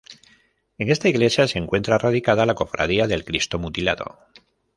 En esta Iglesia se encuentra radicada la Cofradía del Cristo Mutilado.